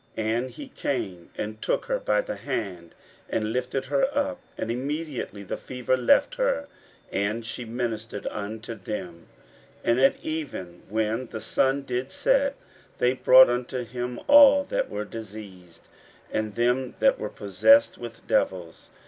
41:001:031 And he came and took her by the hand, and lifted her up; and immediately the fever left her, and she ministered unto them. 41:001:032 And at even, when the sun did set, they brought unto him all that were diseased, and them that were possessed with devils.